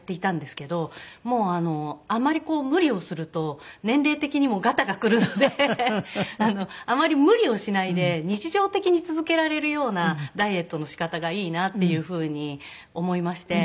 もうあんまり無理をすると年齢的にもガタがくるのであまり無理をしないで日常的に続けられるようなダイエットの仕方がいいなっていうふうに思いまして。